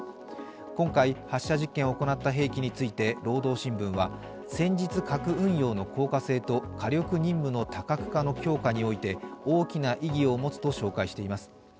今回、発射実験を行った兵器について「労働新聞」は戦術核運用の効果性と火力任務の多角化の強化において大きな意義を持つと紹介しています。